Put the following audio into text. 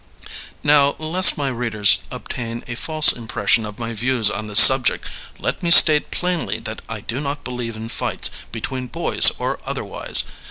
Now, lest my readers obtain a false impression of my views on this subject, let me state plainly that I do not believe in fights, between boys or otherwise.